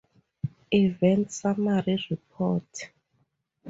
Event Summary Report